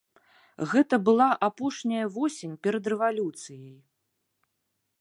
Гэта была апошняя восень перад рэвалюцыяй.